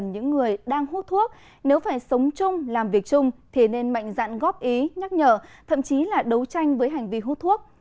những người đang hút thuốc nếu phải sống chung làm việc chung thì nên mạnh dạn góp ý nhắc nhở thậm chí là đấu tranh với hành vi hút thuốc